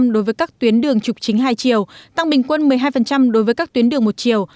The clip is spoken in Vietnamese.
đối với các tuyến đường trục chính hai chiều tăng bình quân một mươi hai đối với các tuyến đường một chiều